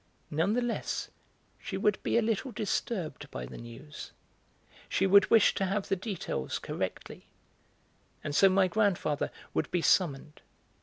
None the less, she would be a little disturbed by the news, she would wish to have the details correctly, and so my grandfather would be summoned.